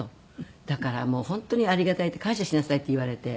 「だから本当にありがたいって感謝しなさい」って言われて。